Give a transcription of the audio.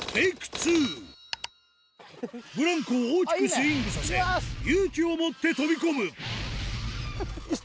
２ブランコを大きくスイングさせ勇気を持って飛び込むよし！